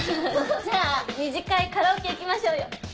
じゃあ２次会カラオケ行きましょうよ。